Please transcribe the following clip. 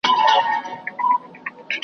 بلکې فکري او فرهنګي کړي